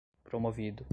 promovido